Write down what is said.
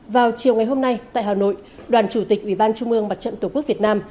vào chiều ngày hôm nay tại hà nội đoàn chủ tịch ủy ban trung mương mặt trận tổ quốc việt nam